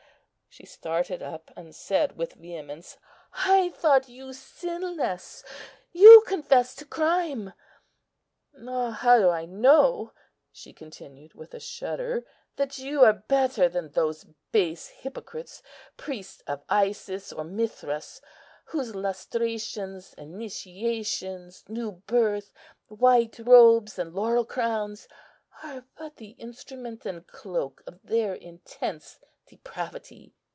She started up, and said with vehemence, "I thought you sinless; you confess to crime.... Ah! how do I know," she continued with a shudder, "that you are better than those base hypocrites, priests of Isis or Mithras, whose lustrations, initiations, new birth, white robes, and laurel crowns, are but the instrument and cloak of their intense depravity?"